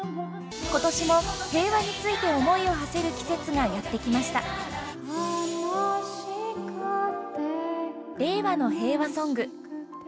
今年も平和について思いをはせる季節がやって来ました「れいわのへいわソング」。